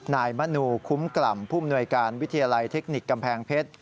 นายมนูคุ้มกล่ำผู้มนวยการวิทยาลัยเทคนิคกำแพงเพชร